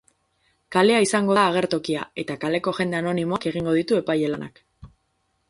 Kalea izango da agertokia, eta kaleko jende anonimoak egingo ditu epaile lanak.